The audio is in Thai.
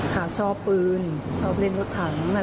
สะสมรถถัง